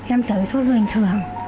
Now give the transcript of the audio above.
em tới sốt mình thử